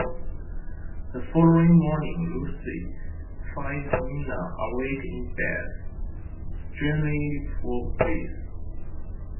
The following morning, Lucy finds Mina awake in bed, struggling for breath.